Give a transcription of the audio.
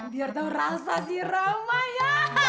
biar tahu rasa si rama ya